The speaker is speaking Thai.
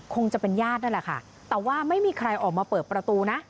คงจะเป็นญาตินั่นแหละค่ะแต่ว่าไม่มีใครออกมาเปิดประตูนะ